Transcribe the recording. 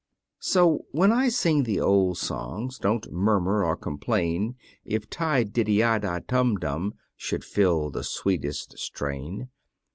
So, when I sing the old songs, Don't murmur or complain If "Ti, diddy ah da, tum dum," Should fill the sweetest strain.